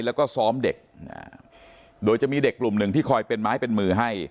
แล้วก็ซ้อมเด็กโดยจะมีเด็กกลุ่มหนึ่งที่คอยเป็นไม้เป็นมือให้